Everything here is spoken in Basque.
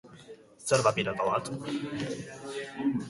Zer da pirata bat?